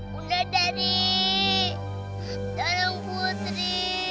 bunda dari tolong putri